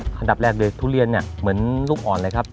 สำหรับแรกเด็กทุเรียนเหมือนลูกอ่อนเลยครับ